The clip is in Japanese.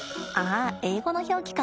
あ英語の表記か。